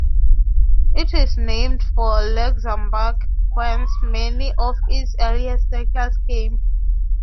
It is named for Luxembourg, whence many of its earliest settlers came.